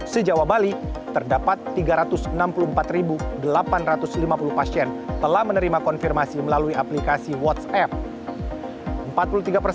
sejauh bali terdapat tiga ratus enam puluh empat delapan ratus lima puluh pasien telah menerima konfirmasi melalui aplikasi whatsapp